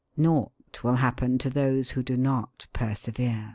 Naught will happen to those who do not persevere.